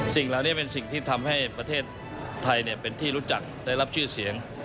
สิ่งเหล่านี้เป็นสิ่งที่ทำให้ประเทศไทยเป็นที่รู้จักได้รับชื่อเสียง